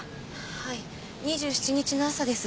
はい２７日の朝です。